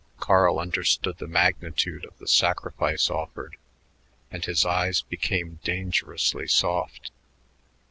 Carl understood the magnitude of the sacrifice offered, and his eyes became dangerously soft.